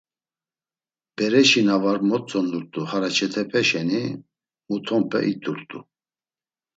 Bereşi na var motzondun hareçet̆epe şeni mutonpe it̆urt̆u.